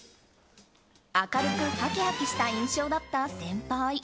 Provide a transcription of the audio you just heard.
明るくはきはきした印象だった先輩。